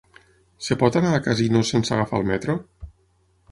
Es pot anar a Casinos sense agafar el metro?